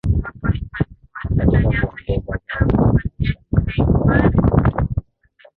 Katika kuongeza kasi ya maisha mienendo yake kutoweka